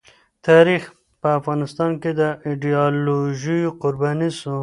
تاریخ په افغانستان کي د ایډیالوژیو قرباني سو.